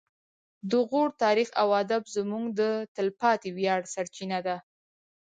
د غور تاریخ او ادب زموږ د تلپاتې ویاړ سرچینه ده